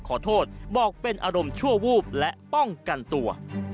ขอโทษบอกเป็นอารมณ์ชั่ววูบและป้องกันตัว